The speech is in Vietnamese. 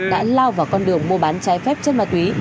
đã lao vào con đường mua bán trái phép chất ma túy